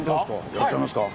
やっちゃいますか。